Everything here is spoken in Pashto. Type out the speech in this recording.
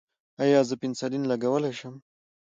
ایا زه پنسلین لګولی شم؟